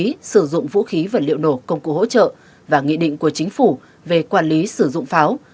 quản lý sử dụng vũ khí vật liệu nổ công cụ hỗ trợ và nghị định của chính phủ về quản lý sử dụng pháo